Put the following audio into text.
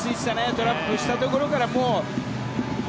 トラップしたところからもう。